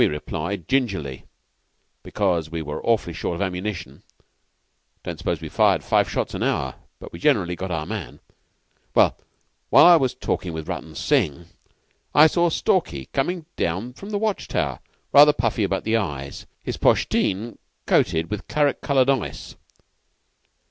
We replied gingerly, because we were awfully short of ammunition. Don't suppose we fired five shots an hour, but we generally got our man. Well, while I was talking with Rutton Singh I saw Stalky coming down from the watch tower, rather puffy about the eyes, his poshteen coated with claret colored ice.